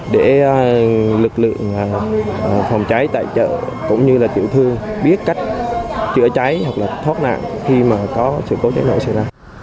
để lực lượng phòng cháy tại chợ cũng như tiểu thương biết cách chữa cháy hoặc thoát nạn khi có sự cố cháy nổ xảy ra